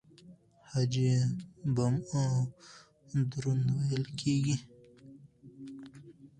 خج يې بم او دروند وېل کېږي.